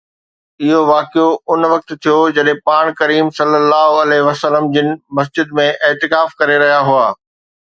اهو واقعو ان وقت ٿيو جڏهن پاڻ ڪريم ﷺ جن مسجد ۾ اعتکاف ڪري رهيا هئا